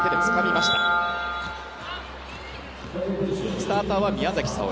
スターターは宮崎早織。